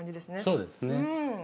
そうですね